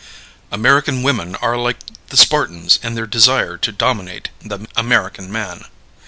American Women Are Like the Spartans in Their Desire to Dominate the American Man.